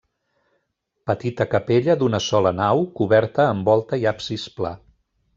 Petita capella d'una sola nau coberta amb volta i absis pla.